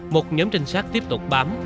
một nhóm trinh sát tiếp tục bám